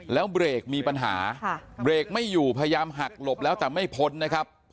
แล้วเบรกมีปัญหาเบรกไม่อยู่พยายามหักหลบแล้วแต่ไม่พ้นนะครับ